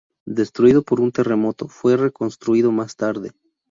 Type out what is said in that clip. Destruido por un terremoto, fue reconstruido más tarde.